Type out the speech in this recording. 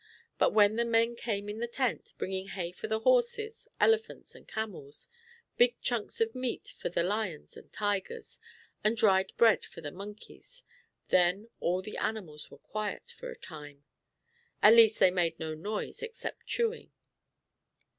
But when the men came in the tent, bringing hay for the horses, elephants and camels, big chunks of meat for the lions and tigers, and dried bread for the monkeys, then all the animals were quiet for a time at least they made no noise except chewing.